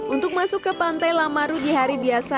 untuk masuk ke pantai lamaru di hari biasa